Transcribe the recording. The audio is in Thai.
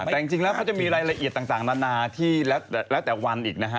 แต่จริงแล้วเขาจะมีรายละเอียดต่างนานาที่แล้วแต่วันอีกนะฮะ